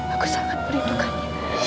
aku sangat merindukannya